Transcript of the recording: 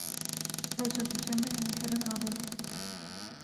Roja duşemê em ê herin avê.